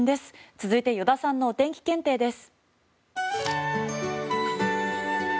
続いて依田さんのお天気検定です。